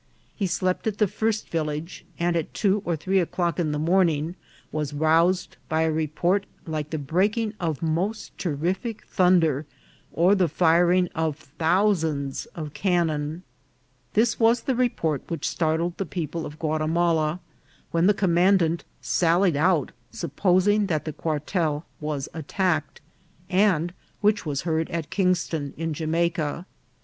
He slept at the first village, and at two or three o'clock in the morning was roused by a report like the breaking of most terrific thunder or the firing of thousands of cannon. This was the report which startled the people of Guatimala, when the command ant sallied out, supposing that the quartel was attacked, and which was heard at Kingston in Jamaica.